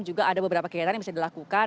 juga ada beberapa kegiatan yang bisa dilakukan